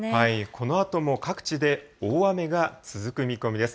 このあとも各地で大雨が続く見込みです。